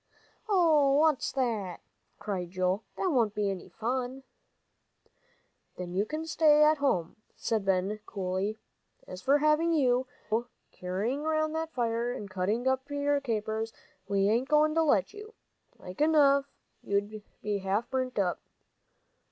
"Hoh! what's that!" cried Joel; "that won't be any fun." "Then you can stay at home," said Ben, coolly. "As for having you, Joe, careering round that fire, and cutting up your capers, we ain't goin' to let you. Like enough you'd be half burnt up."